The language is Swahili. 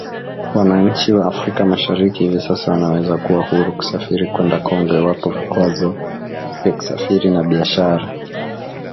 Wananchi wa Afrika Mashariki hivi sasa wanaweza kuwa huru kusafiri kwenda Kongo iwapo vikwazo vya kusafiri na biashara